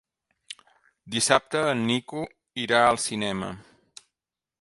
Dissabte en Nico irà al cinema.